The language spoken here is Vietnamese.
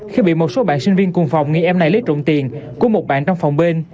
khi bị một số bạn sinh viên cùng phòng nghĩ em này lấy trộm tiền của một bạn trong phòng bên